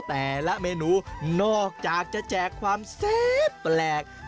แต่ละเมนูนอกจากจะแจกความแซ่บแปลก